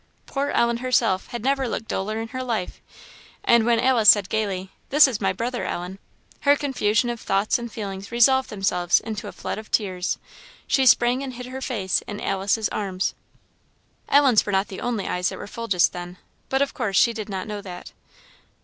Poor Ellen herself had never looked duller in her life; and when Alice said, gaily, "This is my brother, Ellen," her confusion of thoughts and feelings resolved themselves into a flood of tears; she sprang and hid her face in Alice's arms. Ellen's were not the only eyes that were full just then, but of course she did not know that.